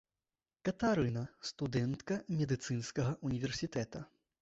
Катарына, студэнтка медыцынскага ўніверсітэта.